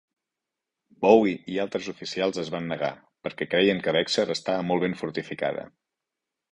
Bowie i altres oficials es van negar, perquè creien que Bexar estava molt ben fortificada.